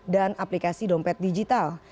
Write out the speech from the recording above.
dan aplikasi dompet digital